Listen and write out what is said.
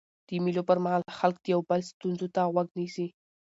د مېلو پر مهال خلک د یو بل ستونزو ته غوږ نیسي.